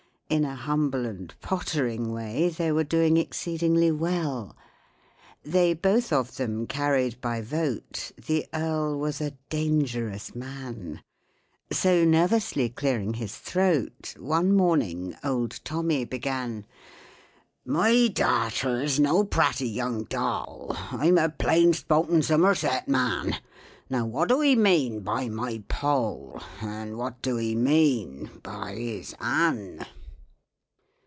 In a humble and pottering way They were doing exceedingly well. They both of them carried by vote The Earl was a dangerous man; So nervously clearing his throat, One morning old TOMMY began: "My darter's no pratty young doll— I'm a plain spoken Zommerzet man— Now what do 'ee mean by my POLL, And what do 'ee mean by his ANN?"